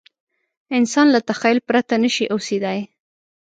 انسان له تخیل پرته نه شي اوسېدای.